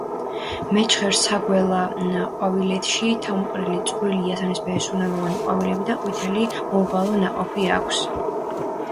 მეჩხერ საგველა ყვავილედში თავმოყრილი წვრილი იასამნისფერი სურნელოვანი ყვავილები და ყვითელი მომრგვალო ნაყოფი აქვს.